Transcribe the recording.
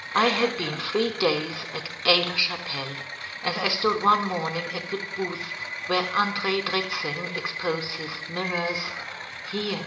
" I had been three days at Aix la " Chapelle. As I flood one morn " ing at the booth where Andre " Dritzehn expofed his mirrors" — (here.